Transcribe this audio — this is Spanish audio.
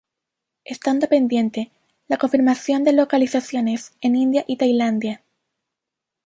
Estando pendiente la confirmación de localizaciones en India y Tailandia.